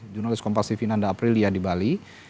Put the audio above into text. jurnalis kompasivinanda aprilia di bali